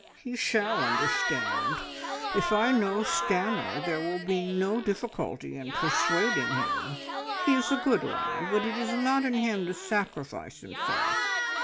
"He shall understand. If I know Stanor, there will be no difficulty, in persuading him. He is a good lad, but it is not in him to sacrifice himself.